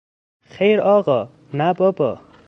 خیر آقا!، نه بابا!